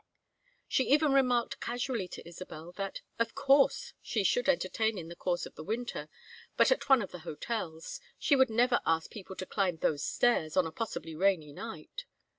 She even remarked casually to Isabel that "of course" she should entertain in the course of the winter, but at one of the hotels; she would never ask people to climb those stairs on a possibly rainy night.